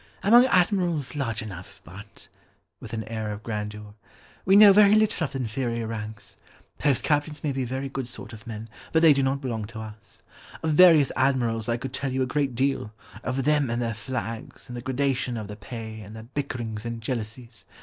"'Among admirals, large enough, but,' with an air of grandeur, 'we know very little of the inferior ranks. Post captains may be very good sort of men, but they do not belong to us. Of various admirals I could tell you a great deal; of them and their flags, and the gradation of their pay, and their bickerings and jealousies.